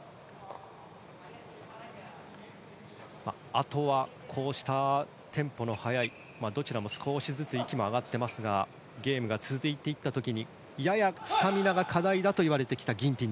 あとは、こうしたテンポの速いどちらも少しずつ息も上がっていますがゲームが続いていった時にやや、スタミナが課題といわれてきたギンティン。